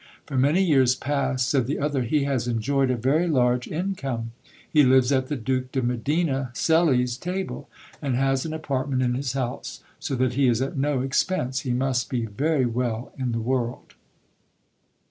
For many years past, said the other, he has enjoyed a very large income. He lives at the Duke de Medina Celi's table, and has an apartment in his house, so that he is at no expense : he must be very well in the world.